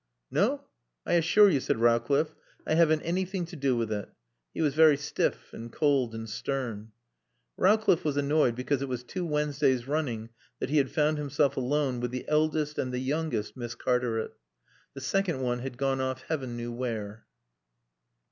"No? I assure you," said Rowcliffe, "I haven't anything to do with it." He was very stiff and cold and stern. Rowcliffe was annoyed because it was two Wednesdays running that he had found himself alone with the eldest and the youngest Miss Cartaret. The second one had gone off heaven knew where.